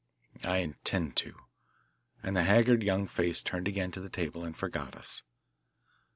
"I intend to," and the haggard young face turned again to the table and forgot us.